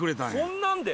そんなんで？